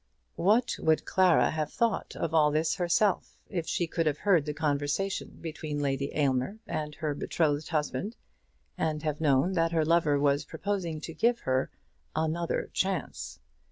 What would Clara have thought of all this herself, if she could have heard the conversation between Lady Aylmer and her betrothed husband, and have known that her lover was proposing to give her "another chance?"